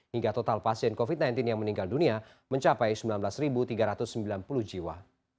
hingga total pasien covid sembilan belas yang meninggal dunia mencapai sembilan belas tiga ratus sembilan puluh jiwa